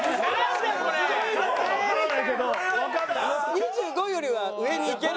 ２５位よりは上にいける？